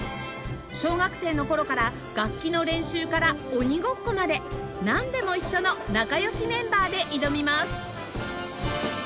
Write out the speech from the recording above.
小学生の頃から楽器の練習から鬼ごっこまでなんでも一緒の仲良しメンバーで挑みます